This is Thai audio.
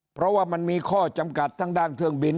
เพราะว่ามันมีข้อจำกัดทั้งด้านเครื่องบิน